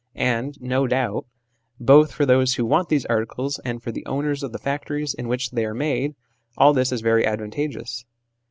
and, no doubt, both for those who want these articles and for the owners of the factories in which they are made, all this is very advantageous.